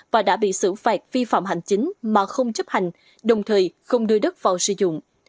và đã bị xử phạt vi phạm hành chính mà không chấp hành đồng thời không đưa đất vào sử dụng